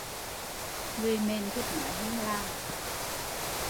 Người mền thích nói hơn làm